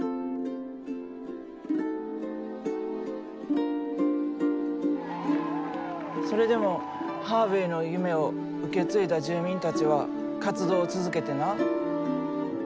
しかし１９７８年それでもハーヴェイの夢を受け継いだ住民たちは活動を続けてな。